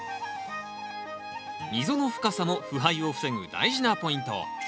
溝の深さも腐敗を防ぐ大事なポイント。